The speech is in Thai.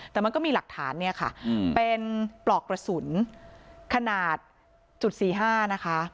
แต่มันก็มีหลักฐานเนี่ยค่ะเป็นปลอกกระสุนขนาดจุด๔๕นะคะ